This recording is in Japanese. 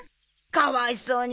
かわいそうに。